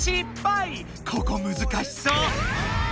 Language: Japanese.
ここむずかしそう。